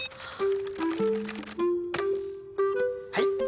はい！